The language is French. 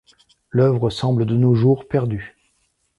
L’œuvre semble de nos jours perdue.